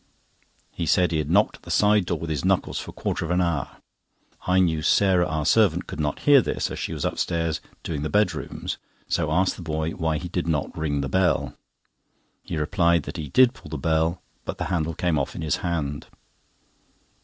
He said he had knocked at the side door with his knuckles for a quarter of an hour. I knew Sarah, our servant, could not hear this, as she was upstairs doing the bedrooms, so asked the boy why he did not ring the bell? He replied that he did pull the bell, but the handle came off in his hand.